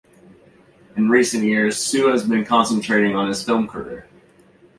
In recent years, Su has been concentrating on his film career.